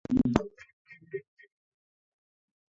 Tos, kitayae ne ndakibuuti kwenyet agenge?